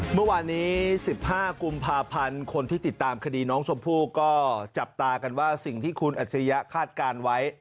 เมื่อวานนี้๑๕กุมภาพันธ์คนที่ติดตามคดีน้องชมพู่ก็จับตากันว่าสิ่งที่คุณอัจฉริยะคาดการณ์ไว้